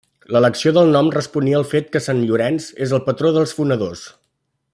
L'elecció del nom responia al fet que Sant Llorenç és el patró dels fonedors.